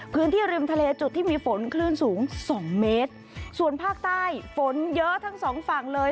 พื้นที่ริมทะเลจุดที่มีฝนคลื่นสูงสองเมตรส่วนภาคใต้ฝนเยอะทั้งสองฝั่งเลย